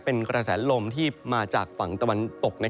เป็นกระแสลมที่มาจากฝั่งตะวันตก